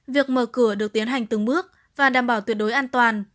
việc mở cửa được tiến hành từng bước và đảm bảo tuyệt đối an toàn